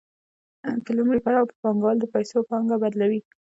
په لومړي پړاو کې پانګوال د پیسو پانګه بدلوي